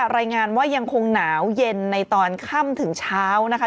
รายงานว่ายังคงหนาวเย็นในตอนค่ำถึงเช้านะคะ